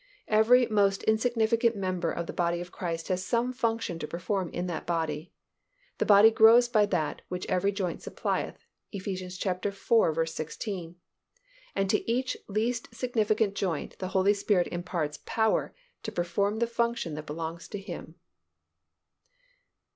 Every most insignificant member of the body of Christ has some function to perform in that body. The body grows by that "which every joint supplieth" (Eph. iv. 16), and to each least significant joint, the Holy Spirit imparts power to perform the function that belongs to him.